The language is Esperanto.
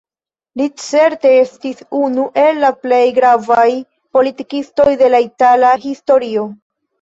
Li certe estis unu el la plej gravaj politikistoj de la itala historio.